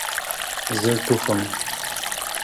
زه ټوخم